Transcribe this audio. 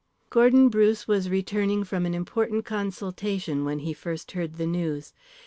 Gordon Bruce was returning from an important consultation when he first heard the news.